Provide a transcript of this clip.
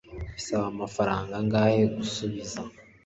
Bisaba amafaranga angahe gusubiza